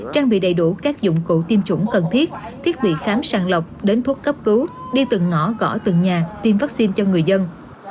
trang bị đầy đủ các dụng cụ tiêm chủng cần thiết thiết bị khám sàng lọc đến thuốc cấp cứu đi từng ngõ gõ từng nhà tiêm vaccine cho người dân